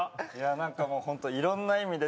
何かもうホントいろんな意味で。